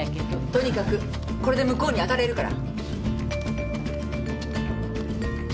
とにかくこれで向こうに当たれるから。